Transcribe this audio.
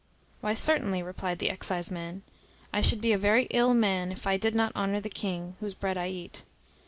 "Why, certainly," replied the exciseman, "I should be a very ill man if I did not honour the king, whose bread I eat.